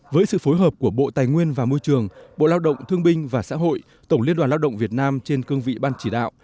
với sự phối hợp của bộ tài nguyên và môi trường bộ lao động thương binh và xã hội tổng liên đoàn lao động việt nam trên cương vị ban chỉ đạo